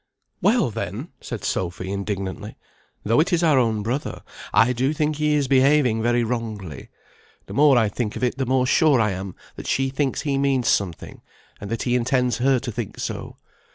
"Well, then!" said Sophy, indignantly, "though it is our own brother, I do think he is behaving very wrongly. The more I think of it the more sure I am that she thinks he means something, and that he intends her to think so.